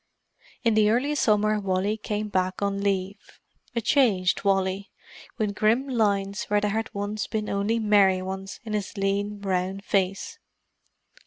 In the early summer Wally came back on leave: a changed Wally, with grim lines where there had once been only merry ones in his lean, brown face.